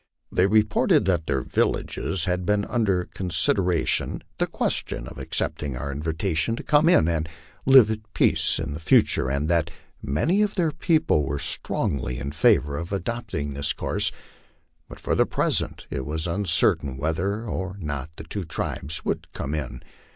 They reported that their villages had had under consideration the question of accepting our invitation to come in and live at peace in the future, and that many of their people were strongly in favor of adopting this course, but for the present it was uncertain whether or not the two tribes would come in.